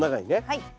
はい。